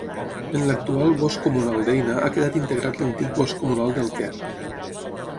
En l'actual Bosc Comunal d'Eina ha quedat integrat l'antic Bosc Comunal del Quer.